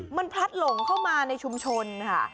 มันพลัดหลงเข้ามาในชุมชนค่ะ